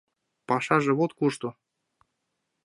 — Пашаже вот кушто.